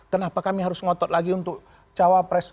kenapa kami harus ngotot lagi untuk cawapres